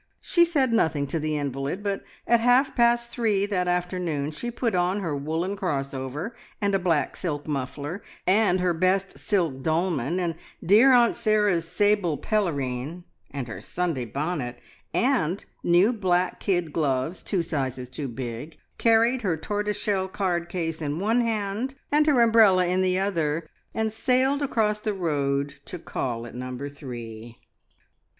She said nothing to the invalid, but at half past three that afternoon she put on her woollen crossover, and a black silk muffler, and her best silk dolman, and dear Aunt Sarah's sable pelerine, and her Sunday bonnet, and new black kid gloves, two sizes too big, carried her tortoiseshell card case in one hand, and her umbrella in the other, and sailed across the road to call at Number Three.